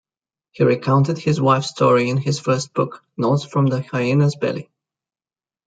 He recounted his life story in his first book, "Notes from the Hyena's Belly".